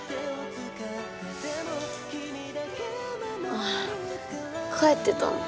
ああ帰ってたの？